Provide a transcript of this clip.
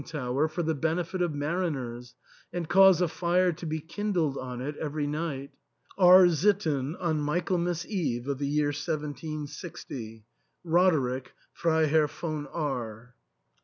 tower for the benefit of mariners, and cause a fire to be kindled on it every night R — ^sitten, on Michaelmas Eve of the year 1760. Roderick, Freiherr von R.